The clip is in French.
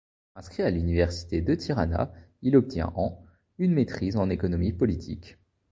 Inscrit à l'université de Tirana, il obtient en une maîtrise en économie politique.